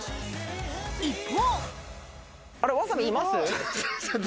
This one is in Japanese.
一方。